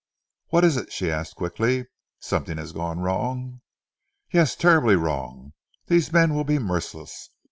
"What is it?" she asked quickly. "Something has gone wrong?" "Yes, terribly wrong. These men will be merciless.